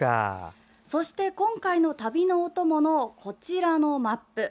そして、今回の旅のお供のこちらのマップ。